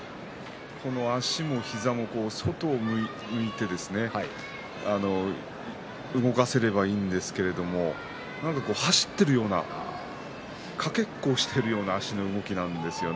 足の膝も外を向いて動かせればいいんですけれども何か走っているようなかけっこをしてるような足の動きなんですよね。